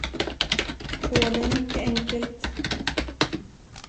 Åh, det är mycket enkelt!